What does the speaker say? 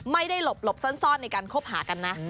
หลบซ่อนในการคบหากันนะ